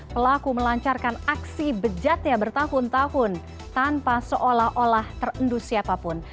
pelaku melancarkan aksi bejatnya bertahun tahun tanpa seolah olah terendus siapapun